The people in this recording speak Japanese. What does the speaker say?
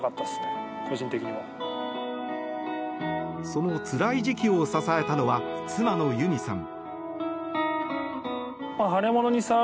そのつらい時期を支えたのは妻の裕美さん。